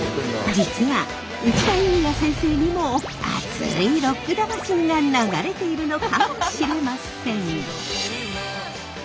実は内田裕也先生にも熱いロック魂が流れているのかもしれません。